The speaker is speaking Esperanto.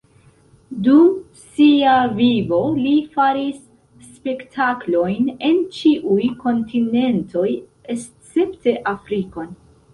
Dum sia vivo li faris spektaklojn en ĉiuj kontinentoj escepte Afrikon.